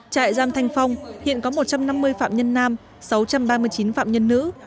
trại giam thanh phong hiện có một trăm năm mươi phạm nhân nam sáu trăm ba mươi chín phạm nhân nữ